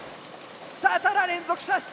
さあただ連続射出